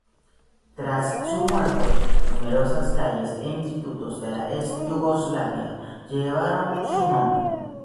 Tras su muerte, numerosas calles e institutos de la ex Yugoslavia llevaron su nombre.